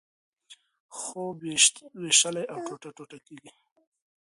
خوب وېشلی او ټوټه ټوټه کېږي.